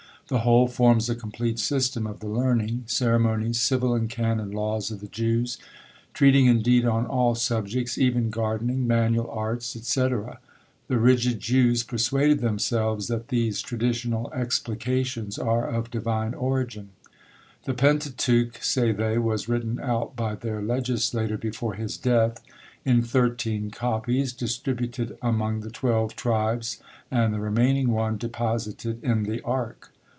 The whole forms a complete system of the learning, ceremonies, civil and canon laws of the Jews; treating indeed on all subjects; even gardening, manual arts, &c. The rigid Jews persuaded themselves that these traditional explications are of divine origin. The Pentateuch, say they, was written out by their legislator before his death in thirteen copies, distributed among the twelve tribes, and the remaining one deposited in the ark.